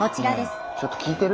ねえちょっと聞いてる？